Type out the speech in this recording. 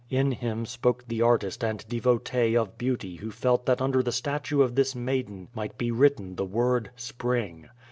In him spoke the artist and devotee of beauty who felt that under the statue of this maiden might be written the word "Spring."